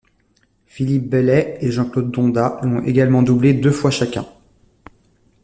Philippe Bellay et Jean-Claude Donda l'ont également doublé deux fois chacun.